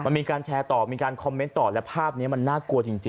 มันมีการแชร์ต่อมีการคอมเมนต์ต่อและภาพนี้มันน่ากลัวจริง